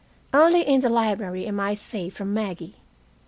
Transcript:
Only in the library am I safe from Maggie.